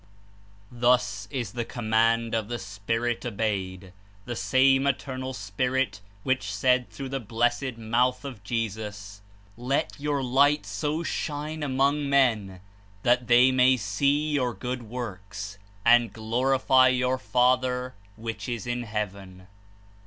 Thus is the command of the Spirit obeyed, the same Eternal Spirit which said through the blessed mouth of Jesus : ''Let your light so shine among men that they may see your good ziorks, and glorify your Father which is in heaven.'